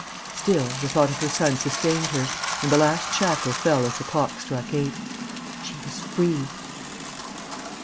Still, the thought of her son sustained her; and the last shackle fell as the clock struck eight. She was free!